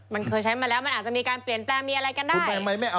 มันเคยใช้มาแล้วมันอาจจะมีการเปลี่ยนแปลงมีอะไรกันได้